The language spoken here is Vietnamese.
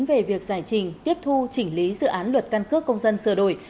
về việc giải trình tiếp thu chỉnh lý dự án luật căn cước công dân sửa đổi